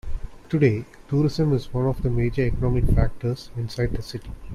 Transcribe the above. Today, tourism is one of the major economic factors inside the city.